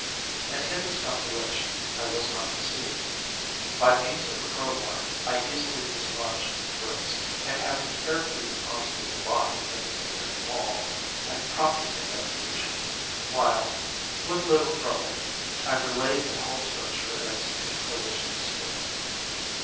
And in this calculation I was not deceived. By means of a crow bar I easily dislodged the bricks, and, having carefully deposited the body against the inner wall, I propped it in that position, while, with little trouble, I re laid the whole structure as it originally stood.